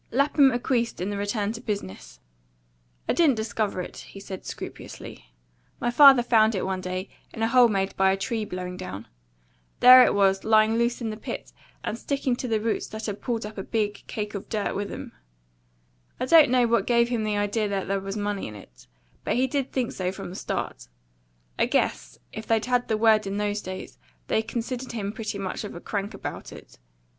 Lapham acquiesced in the return to business. "I didn't discover it," he said scrupulously. "My father found it one day, in a hole made by a tree blowing down. There it was, lying loose in the pit, and sticking to the roots that had pulled up a big, cake of dirt with 'em. I don't know what give him the idea that there was money in it, but he did think so from the start. I guess, if they'd had the word in those days, they'd considered him pretty much of a crank about it.